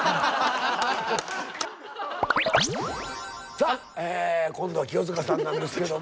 さあ今度は清塚さんなんですけども。